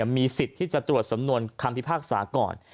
มีสิทธิ์ที่จะตรวจสำนวนคำพิพากษาก่อน